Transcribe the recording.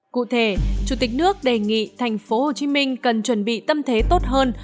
cụ thể chủ tịch nước đề nghị thành phố hồ chí minh cần chuẩn bị tâm thế tốt hơn